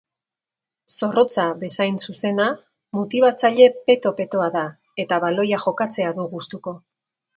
Zorrotza bezain zuzena, motibatzaile peto-petoa da eta baloia jokatzea du gustuko.